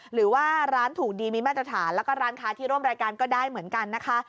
หรือว่าร้านถูกดีมีมาตรฐานแล้วก็ร้านค้าที่ร่วมรายการก็ได้เหมือนกันนะคะ